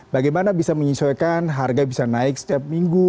bagaimana bisa menyesuaikan harga bisa naik setiap minggu